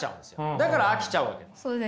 だから飽きちゃうわけです。